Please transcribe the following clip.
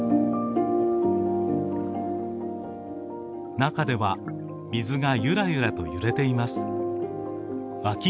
中では水がゆらゆらと揺れています。